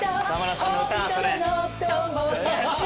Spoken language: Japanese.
「本当の友達」